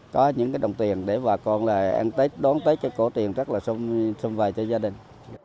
có những cái đồng tiền để bà con là ăn tết đón tết cho cổ truyền rất là xuân về cho gia đình